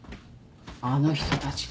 あの人たちか。